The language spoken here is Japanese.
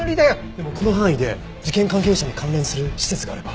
でもこの範囲で事件関係者に関連する施設があれば。